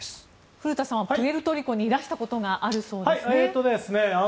古田さん、プエルトリコにいらしたことがあるそうですね。